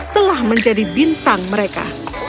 telah menjadi bintang mereka